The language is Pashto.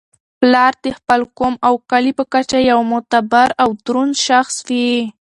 پلار د خپل قوم او کلي په کچه یو معتبر او دروند شخص وي.